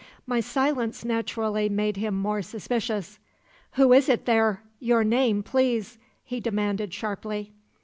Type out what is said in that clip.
"My silence naturally made him more suspicious. "'Who is it there? Your name, please?' he demanded sharply.